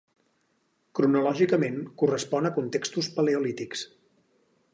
Cronològicament correspon a contextos paleolítics.